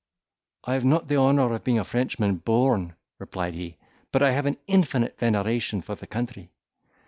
"I have not the honour of being a Frenchman born," replied he, "but I have an infinite veneration for the country."